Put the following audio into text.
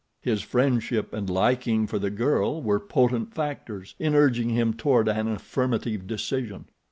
His friendship and liking for the girl were potent factors in urging him toward an affirmative decision.